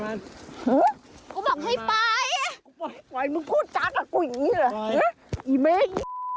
ไปก็มึงก็ปล่อยมึงด้วยมึงก็ไปด้วยไปเลยไปไปไปเลย